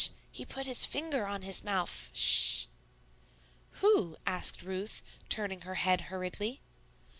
He put his finger on his mouf sh!" "Who?" asked Ruth, turning her head hurriedly.